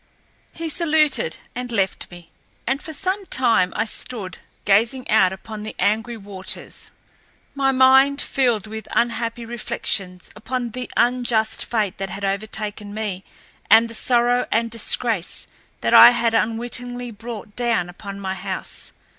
He saluted, and left me, and for some time I stood, gazing out upon the angry waters, my mind filled with unhappy reflections upon the unjust fate that had overtaken me, and the sorrow and disgrace that I had unwittingly brought down upon my house.